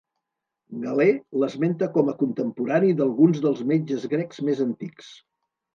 Galè l'esmenta com a contemporani d'alguns dels metges grecs més antics.